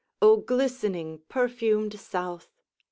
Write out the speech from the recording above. O glistening, perfumed South!